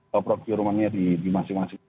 eee procurement nya di di masing masing